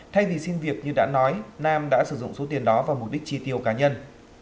thay vì xin việc như đã nói nam đã sử dụng số tiền đó vào mục đích tri tiêu cá nhân